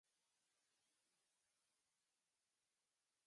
普奈勒斯蒂大道向东通往古代城市从该城向东南延伸。